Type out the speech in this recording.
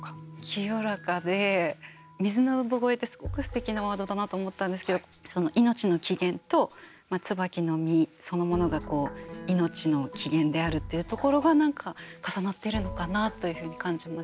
清らかで「水の産声」ってすごくすてきなワードだなと思ったんですけど命の起源と椿の実そのものが命の起源であるっていうところが何か重なってるのかなというふうに感じました。